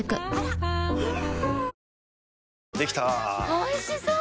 おいしそう！